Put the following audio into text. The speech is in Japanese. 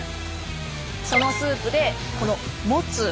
そのスープでこのモツ。